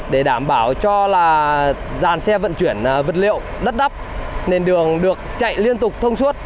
để đảm bảo cho là dàn xe vận chuyển vật liệu đắt đắp nền đường được chạy liên tục thông suốt